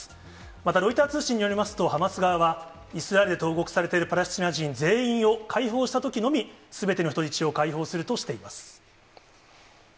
また、ロイター通信によりますと、ハマス側は、イスラエルで投獄されているパレスチナ人全員を解放したときのみ、すべての人質を解放するとしています。